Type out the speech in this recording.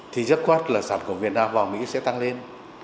thì rất khoát là sản của việt nam vào mỹ sẽ tăng lên